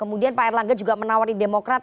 kemudian pak erlangga juga menawari demokrat